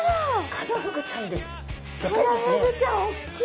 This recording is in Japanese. カナフグちゃんおっきい。